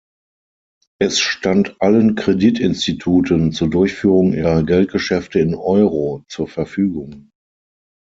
Es stand allen Kreditinstituten zur Durchführung ihrer Geldgeschäfte in Euro zur Verfügung.